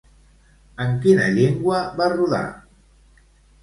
En quina llengua va rodar?